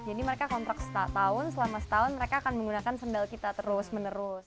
jadi mereka kontrak setahun selama setahun mereka akan menggunakan sandal kita terus menerus